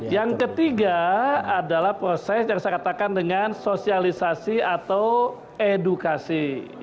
yang ketiga adalah proses yang saya katakan dengan sosialisasi atau edukasi